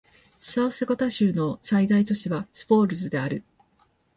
サウスダコタ州の最大都市はスーフォールズである